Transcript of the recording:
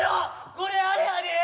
これはあれやで！